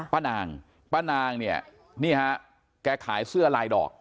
ป้านางป้านางเนี่ยนี่ฮะแกขายเสื้อลายดอก